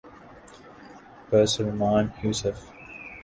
Pir Salman Yusuf.